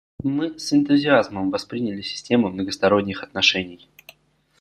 Мы с энтузиазмом восприняли систему многосторонних отношений.